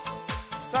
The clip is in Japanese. さあ